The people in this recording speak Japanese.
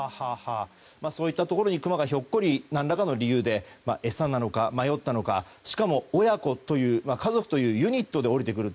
そういったところにクマがひょっこり何らかの理由で餌なのか、迷ったのかしかも、家族というユニットで下りてくる。